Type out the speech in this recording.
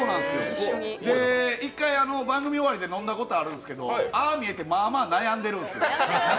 １回、番組終わりで飲んだことあるんですけど、ああみえて、まあまあ悩んでるんですよ。